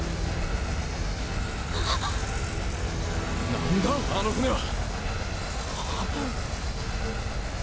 何だあの船は！